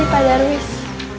ini sih pak darwis